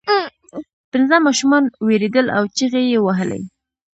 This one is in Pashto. پنځه ماشومان ویرېدل او چیغې یې وهلې.